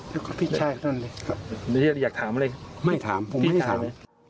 อยากถามอะไรไม่ถามผมไม่ได้ถาม